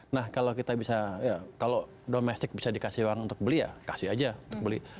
nah kalau kita bisa ya kalau domestik bisa dikasih uang untuk beli ya kasih aja untuk beli